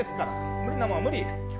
無理なもんは無理。